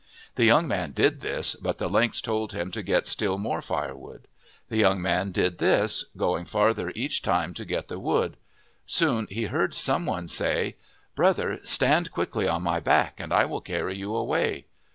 The young man did this, but the lynx told him to get still more firewood. The young man did this, going farther each time to get the wood. Soon he heard some one say :" Brother, stand quickly on my back and I will carry you away."